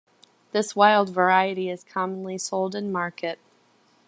This wild variety is commonly sold in market.